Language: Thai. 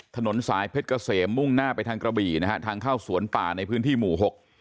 ถนนสายเพชรเกษมมุ่งหน้าไปทางกระบี่นะฮะทางเข้าสวนป่าในพื้นที่หมู่หก